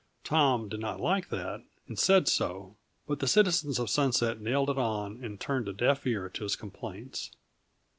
Tom did not like that, and said so; but the citizens of Sunset nailed it on and turned a deaf ear to his complaints.